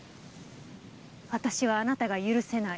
私はあなたが許せない。